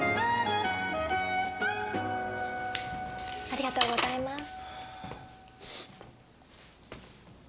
ありがとうございます。